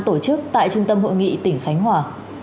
tổ chức tại trung tâm hội nghị tỉnh khánh hòa